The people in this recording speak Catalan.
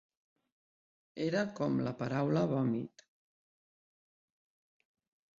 Era com la paraula vòmit.